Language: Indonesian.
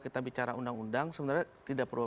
kita bicara undang undang sebenarnya tidak perlu